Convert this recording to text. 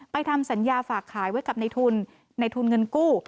ไปทำสัญญาฝากขายไว้กับในทุนเงินกู้